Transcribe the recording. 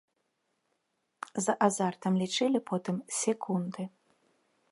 З азартам лічылі потым секунды.